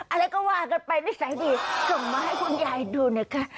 อะไรก็ว่ากันไปนิสัยดีส่งมาให้คุณยายดูนะคะ